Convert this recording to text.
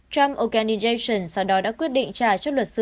trump organization sau đó đã quyết định trả cho luật sư